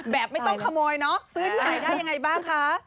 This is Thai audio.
แบบไม่ต้องขโมยเนอะซื้อที่ไหนได้ยังไงบ้างคะ